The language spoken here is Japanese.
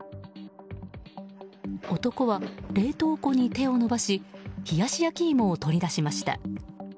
男は冷凍庫に手を伸ばし冷やし焼き芋を取り出しました。